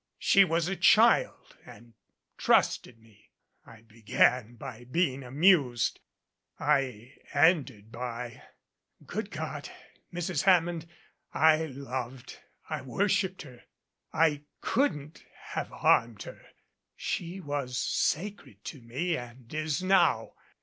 She was a child and trusted me. I began by being amused. I ended by Good God! Mrs. Hammond, I loved I worshiped her. I couldn't have harmed her. She was sacred to me and is now.